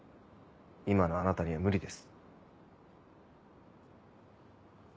今のあなたには無理です。